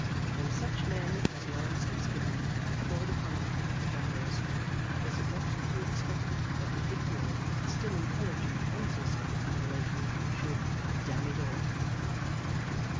When such men as Laurence Fitzgibbon were called upon to act as governors, was it not to be expected that the ignorant but still intelligent Bunces of the population should "d n it all"?